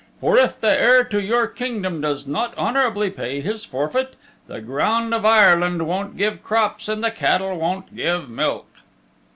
For if the heir to your kingdom does not honorably pay his forfeit, the ground of Ireland won't give crops and the cattle won't give milk."